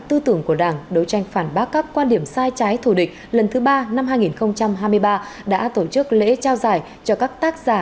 tư tưởng của đảng đối tranh phản bác các quan điểm sai trái thù địch lần thứ ba năm hai nghìn hai mươi ba đã tổ chức lễ trao giải cho các tác giả